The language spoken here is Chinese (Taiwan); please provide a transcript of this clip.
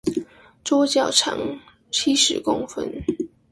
桌腳長七十公分